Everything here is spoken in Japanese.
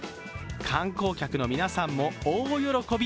観光客の皆さんも大喜び。